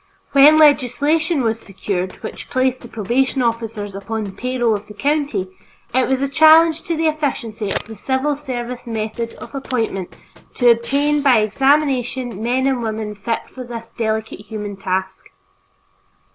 When legislation was secured which placed the probation officers upon the payroll of the county, it was a challenge to the efficiency of the civil service method of appointment to obtain by examination men and women fitted for this delicate human task.